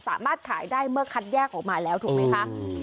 สามารถขายได้เมื่อคัดแยกออกมาแล้วถูกไหมคะ